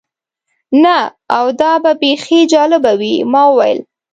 نه، او دا به بیخي جالبه وي. ما وویل.